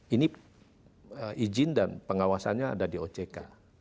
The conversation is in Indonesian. ini ijin dan pengawasannya ada di ock